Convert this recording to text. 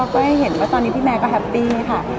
ก็ยังเห็นว่าตอนนี้พี่แมร์ก็แฮปปี้ค่ะ